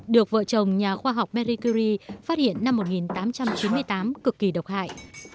được vợ chồng nhà khoa học berlicury phát hiện năm một nghìn tám trăm chín mươi tám cực kỳ độc hại